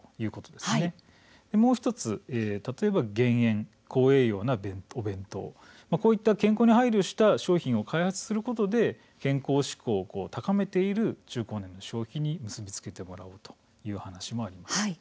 そして、もう１つ例えば減塩、高栄養なお弁当こうした健康に配慮した商品を開発することで健康志向を高めている中高年の商品に結び付けてもらおうという話もあります。